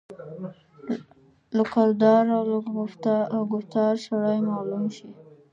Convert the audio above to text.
له کردار او له ګفتار سړای معلوم شي.